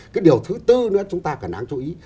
cái điều thứ tư nữa chúng ta cần đáng chú ý